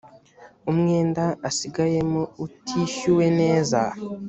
umwenda asigayemo utishyuwe neza